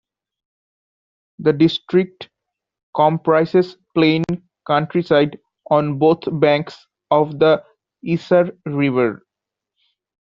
The district comprises plain countryside on both banks of the Isar river.